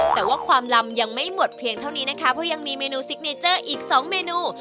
แต่ว่าความลำยังไม่หมดเพียงเท่านี้นะคะเพราะยังมีเมนูซิกเนเจอร์อีก๒เมนู